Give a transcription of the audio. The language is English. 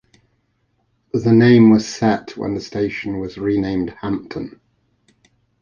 The name was set when the station was renamed Hampton.